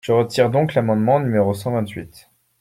Je retire donc l’amendement numéro cent vingt-huit.